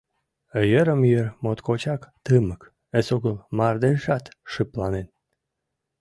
Йырым-йыр моткочак тымык, эсогыл мардежшат шыпланен.